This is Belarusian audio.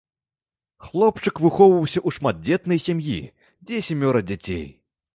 Хлопчык выхоўваўся ў шматдзетнай сям'і, дзе сямёра дзяцей.